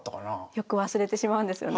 よく忘れてしまうんですよね。